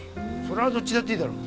それはどっちだっていいだろ。